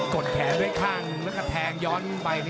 กดแขนด้วยข้างแล้วก็แทงย้อนไป